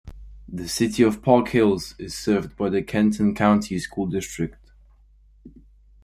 The City of Park Hills is served by the Kenton County School District.